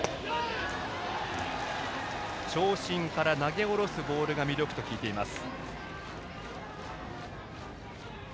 長身から投げ下ろすボールが魅力と聞いています。